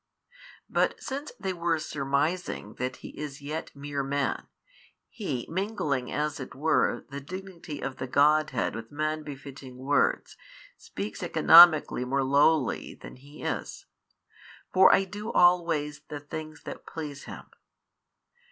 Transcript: But since they were surmising that He is yet mere man, He mingling as it were the Dignity of Godhead with man befitting words speaks economically more lowly than Ho is, For I do always the things that please Him.